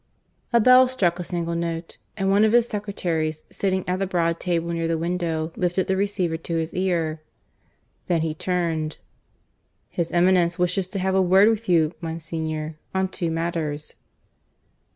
A bell struck a single note; and one of his secretaries, sitting at the broad table near the window, lifted the receiver to his ear. Then he turned. "His Eminence wishes to have a word with you, Monsignor, on two matters."